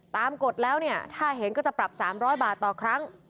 ตามกฎแล้วเนี้ยถ้าเห็นก็จะปรับสามร้อยบาทต่อครั้ง